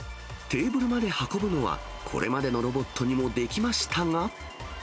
テーブルまで運ぶのは、これまでのロボットにもできましたが。